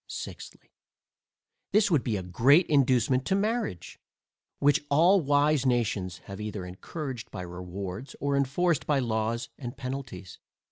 Sixthly, This would be a great inducement to marriage, which all wise nations have either encouraged by rewards, or enforced by laws and penalties.